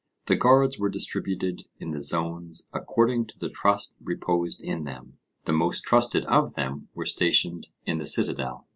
The guards were distributed in the zones according to the trust reposed in them; the most trusted of them were stationed in the citadel.